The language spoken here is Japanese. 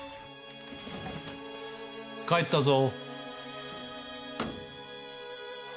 帰ったぞ。